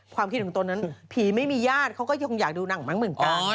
ความคิดของตนนั้นผีไม่มีญาติเขาก็คงอยากดูหนังมั้งเหมือนกัน